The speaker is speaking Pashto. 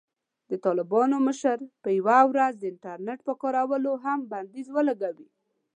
د طالبانو مشر به یوه ورځ د "انټرنېټ" پر کارولو هم بندیز ولګوي.